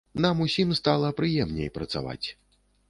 Нам усім стала прыемней працаваць.